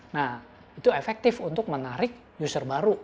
nah itu efektif untuk menarik user baru